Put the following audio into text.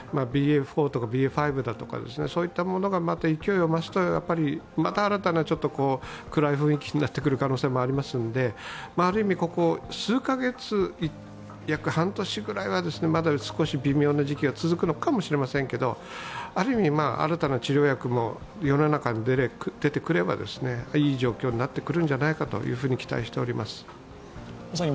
ＢＡ．４とかＢＡ．５とかそういったものがまた勢いを増すと、新たな暗い雰囲気になってくる可能性もありますので、ある意味ここ数カ月、約半年はまだ少し微妙な時期が続くかもしれないですが新たな治療薬も世の中に出てくればいい状況になってくるんじゃないかと期待しております。